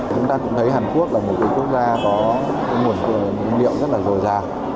chúng ta cũng thấy hàn quốc là một quốc gia có nguồn nguồn liệu rất là rồi ràng